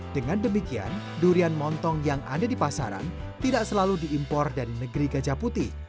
dengan demikian durian montong yang ada di pasaran tidak selalu diimpor dari negeri gajah putih